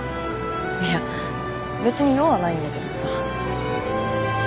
いや別に用はないんだけどさ。